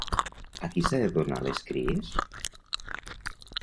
A qui s'ha de donar les cries?